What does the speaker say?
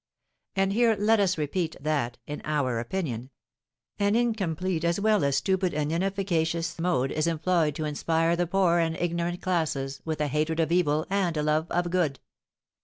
And here let us repeat that, in our opinion, an incomplete as well as stupid and inefficacious mode is employed to inspire the poor and ignorant classes with a hatred of evil and a love of good.